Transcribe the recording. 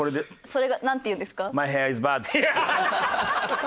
それがなんていうんですか？